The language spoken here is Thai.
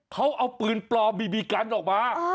เขาเอาปืนปลอมบีบีกันออกมา